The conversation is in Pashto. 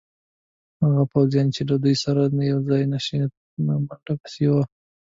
هغه پوځیان چې له دوی سره یوځای نه شوای تلای، په منډه پسې وو.